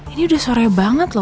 ini udah sore banget loh